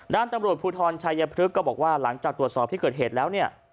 ด้านตำรวจภูทรชัยพฤกษ์ก็บอกว่าหลังจากตรวจสอบที่เกิดเหตุแล้วเนี่ย